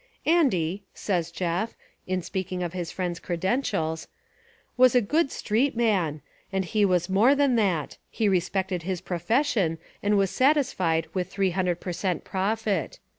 "Andy," says Jeff, in speaking of his friend's credentials, "was a good street man : and he was more than that — he respected his profession and was satisfied with 300 per cent, profit.